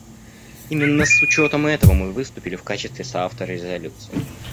Именно с учетом этого мы выступили в качестве соавтора резолюции.